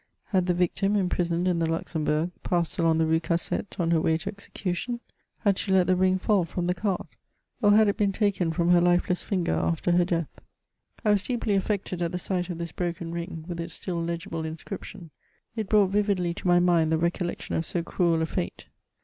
Had the victim, imprisoned in the Luxembourg, passed along the Rue Cassette on her way to execution ? Had she let the ring fall from the cart ? ch: had it been taken from her lifeless finger after her death? I was deeply a£Fected at the sight of this broken ring, with its still legible inscription ; it brought vividly to my mind the recollection of so cruel a fate.